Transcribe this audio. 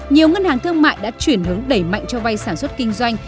nhiều ngân hàng thương mại đã chuyển hướng đẩy mạnh cho vay sản xuất kinh doanh